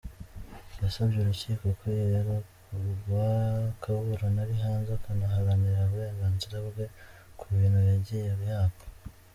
Yasabye urukiko ko yarekurwa akuburana ari hanze, akanaharanira uburenganzira bwe ku bintu yagiye yakwa.